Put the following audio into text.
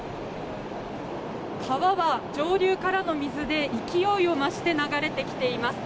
川は上流からの水で勢いを増して流れてきています。